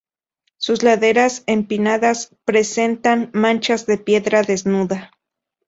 Sus laderas empinadas presentan manchas de piedra desnuda.